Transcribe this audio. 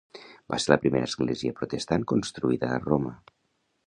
Va ser la primera església protestant construïda a Roma.